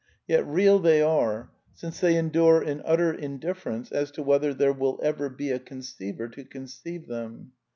Yet real they are, since they endure in utter indifference as to whether there will ever be a conceiver to conceive them.